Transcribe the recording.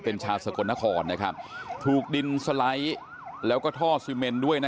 เป็นชาวสกลนครนะครับถูกดินสไลด์แล้วก็ท่อซีเมนด้วยนะ